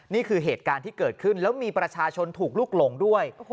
นี่คือเหตุการณ์ที่เกิดขึ้นแล้วมีประชาชนถูกลุกหลงด้วย